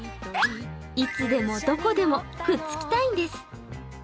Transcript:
いつでもどこでもくっつきたいんです。